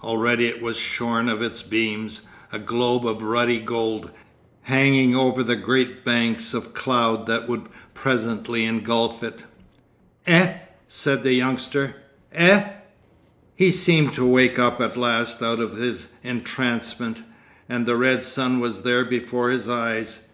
Already it was shorn of its beams, a globe of ruddy gold, hanging over the great banks of cloud that would presently engulf it. 'Eh!' said the youngster. 'Eh!' He seemed to wake up at last out of his entrancement, and the red sun was there before his eyes.